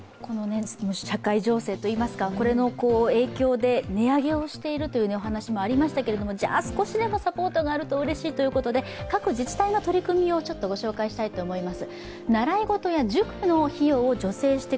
社会情勢といいますか、これの影響で値上げをしているというお話もありましたがじゃあ少しでもサポートがあるとうれしいということで各自治体の取り組みをご紹介したいと思います。